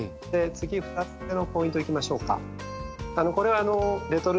次２つ目のポイントいきましょうか。